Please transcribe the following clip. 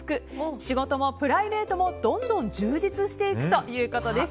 仕事もプライベートもどんどん充実していくということです。